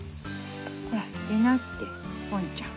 ほら出なってポンちゃん。